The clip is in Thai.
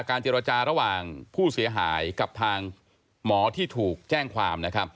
เจรจาระหว่างผู้เสียหายกับทางหมอที่ถูกแจ้งความ